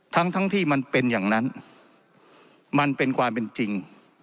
ทั้งทั้งที่มันเป็นอย่างนั้นมันเป็นความเป็นจริง